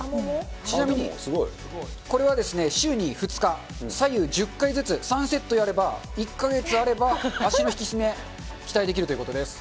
これはですね、週に２日、左右１０回ずつ３セットやれば、１か月あれば、足の引き締め、期待できるということです。